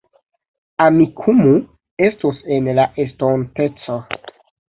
Amikumu estos en la estonteco